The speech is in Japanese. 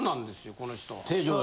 この人は。